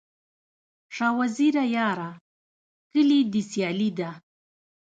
شاه وزیره یاره، کلي دي سیالي ده